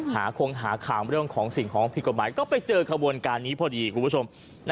คงหาข่าวเรื่องของสิ่งของผิดกฎหมายก็ไปเจอขบวนการนี้พอดีคุณผู้ชม